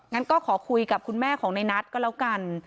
งั้นก็ขอคุยกับคุณแม่ของในนัทก็แล้วกัน